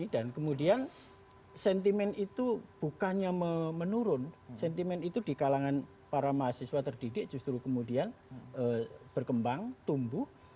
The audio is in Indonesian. dan kemudian sentimen itu bukannya menurun sentimen itu di kalangan para mahasiswa terdidik justru kemudian berkembang tumbuh